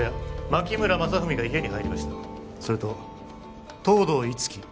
牧村正文が家に入りましたそれと東堂樹生